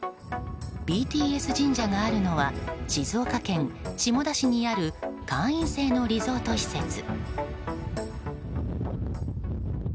ＢＴＳ神社があるのは静岡県下田市にある会員制のリゾート施設。